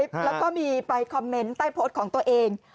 แล้วก็มีไปคอมเมนต์ใต้โพสต์ของตัวเอง